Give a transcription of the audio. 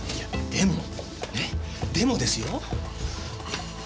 でもですよ。